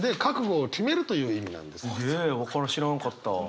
へえ分からん知らんかった。